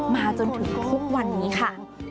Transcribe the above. มาจนถึงทุกวันนี้ค่ะ